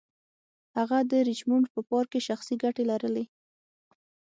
هغه د ریچمونډ په پارک کې شخصي ګټې لرلې.